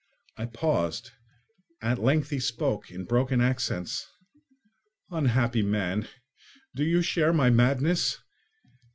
I paused; at length he spoke, in broken accents: "Unhappy man! Do you share my madness?